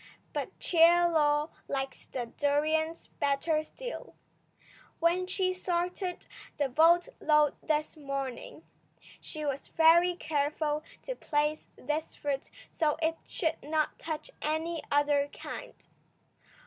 But Chie Lo likes the durions better still. When she sorted the boat load this morning, she was very careful to place this fruit so it should not touch any other kind.